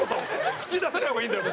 口に出さない方がいいんだよ